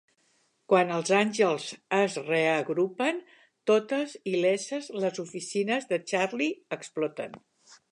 Quan els Àngels es reagrupen, totes il·leses, les oficines de Charlie exploten.